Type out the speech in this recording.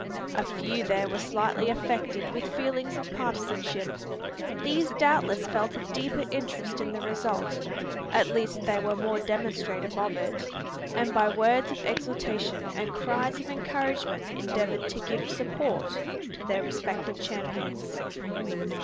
A few there were slightly affected with feelings of partisanship. These doubtless felt a deeper interest in the result, at least they were more demonstrative of it; and by words of exhortation and cries of encouragement endeavoured to give support to their respective champions.